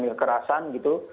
diamil kerasan gitu